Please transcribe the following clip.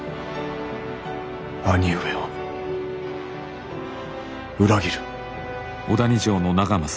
義兄上を裏切る。